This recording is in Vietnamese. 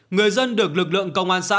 người dân được lực lượng công an xã